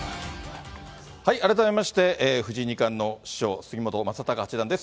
改めまして、藤井二冠の師匠、杉本昌隆八段です。